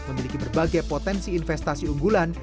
memiliki berbagai potensi investasi unggulan